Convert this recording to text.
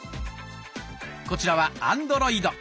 こちらはアンドロイド。